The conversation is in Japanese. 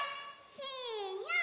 せの。